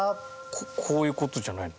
こういう事じゃないの？